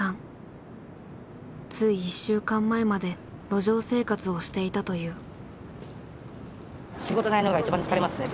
つい１週間前まで路上生活をしていたという。